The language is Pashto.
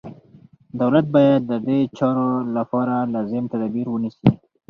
دولت باید ددې چارو لپاره لازم تدابیر ونیسي.